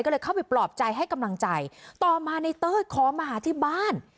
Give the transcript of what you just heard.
ก็เลยเข้าไปปลอบใจให้กำลังใจต่อมาในเต้ยขอมาหาที่บ้าน